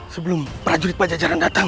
sebelum prajurit pajajaran datang